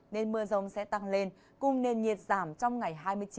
nên mưa rông sẽ tăng lên cùng nền nhiệt giảm trong ngày hai mươi chín